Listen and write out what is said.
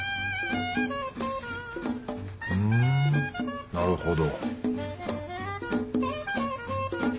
ふぅんなるほど